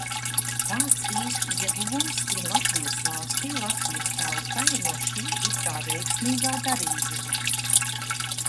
Kāds īsti ieguvums ir Latvijas valstij, Latvijas tautai no šī it kā veiksmīgā darījuma?